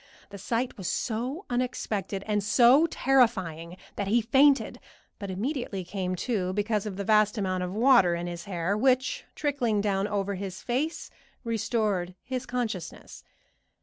The sight was so unexpected and so terrifying that he fainted, but immediately came to, because of the vast amount of water in his hair, which, trickling down over his face, restored his consciousness.